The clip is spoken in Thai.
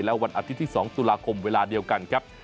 และวันอาทิตย์ที่๒ตุลาคมเวลาเดียวกันครับ